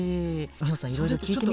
ミホさんいろいろ聞いてみてよ。